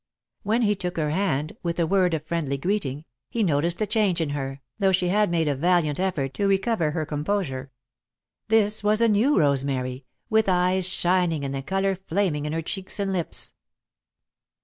When he took her hand, with a word of friendly greeting, he noticed a change in her, though she had made a valiant effort to recover her composure. This was a new Rosemary, with eyes shining and the colour flaming in her cheeks and lips.